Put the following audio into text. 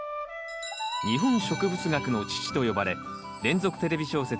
日本植物学の父と呼ばれ連続テレビ小説